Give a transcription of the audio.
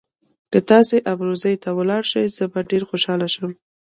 که تاسي ابروزي ته ولاړ شئ زه به ډېر خوشاله شم.